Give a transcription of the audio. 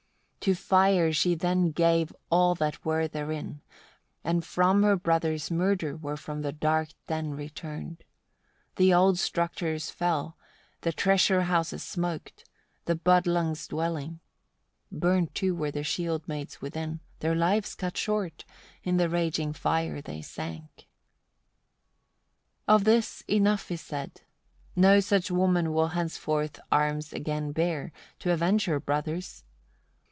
To fire she then gave all that were therein, and from her brothers' murder were from the dark den returned. The old structures fell, the treasure houses smoked, the Budlungs' dwelling. Burnt too were the shield maids within, their lives cut short; in the raging fire they sank. 43. Of this enough is said. No such woman will henceforth arms again bear, to avenge her brothers.